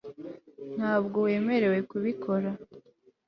ntabwo wemerewe kubikora